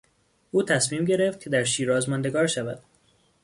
او تصمیم گرفت که در شیراز ماندگار شود.